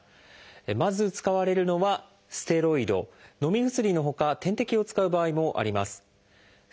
まず使われるのはステロイド。のみ薬のほか点滴を使う場合もあります。